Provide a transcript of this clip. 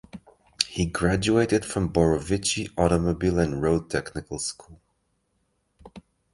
He graduated from the Borovichi Automobile and Road Technical School.